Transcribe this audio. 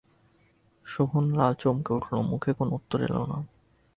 শোভনলাল চমকে উঠল, মুখে কোনো উত্তর এল না।